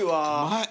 はい！